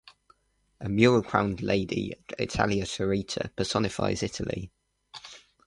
A mural-crowned lady, Italia Turrita, personifies Italy.